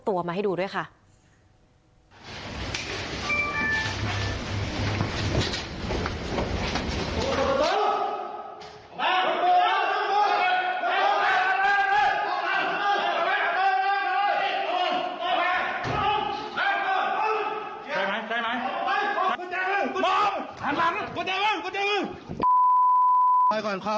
สวัสดีครับ